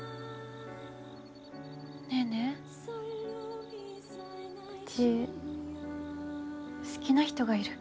ネーネーうち好きな人がいる。